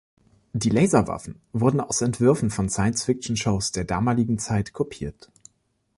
Die Laserwaffen wurden aus Entwürfen von Science-Fiction-Shows der damaligen Zeit kopiert.